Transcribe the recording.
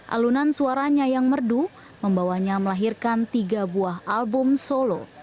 alunan suaranya yang merdu membawanya melahirkan tiga buah album solo